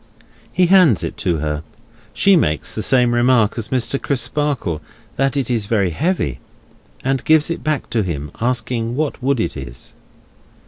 He hands it to her; she makes the same remark as Mr. Crisparkle, that it is very heavy; and gives it back to him, asking what wood it is?